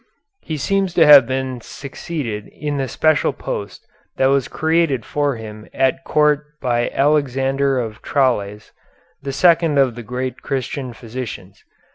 He seems to have been succeeded in the special post that was created for him at court by Alexander of Tralles, the second of the great Christian physicians.